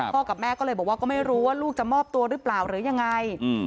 กับแม่ก็เลยบอกว่าก็ไม่รู้ว่าลูกจะมอบตัวหรือเปล่าหรือยังไง